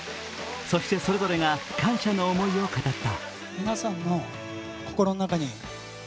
そしてそれぞれが感謝の思いを語った。